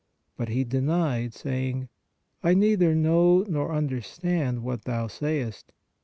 But he denied, saying: I neither know nor understand what thou sayest.